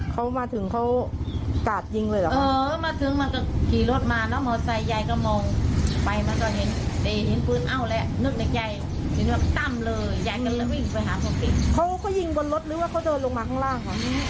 เขามาถึงเขากาดหยิงเลยกับเออมาถึง